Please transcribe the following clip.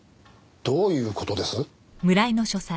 どういう事です？